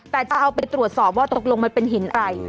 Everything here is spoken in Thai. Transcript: แต่จะเอาไปตรวจสอบว่าตกลงมันเป็นหินอะไร